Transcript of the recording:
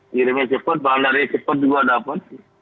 kirimnya cepat bahan dari cepat juga dapat